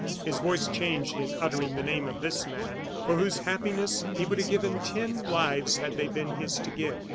His voice changed in uttering the name of this man, for whose happiness he would have given ten lives had they been his to give.